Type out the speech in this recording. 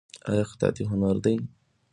آیا خطاطي هنر دی؟